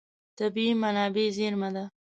طبیعي منابع زېرمه ده.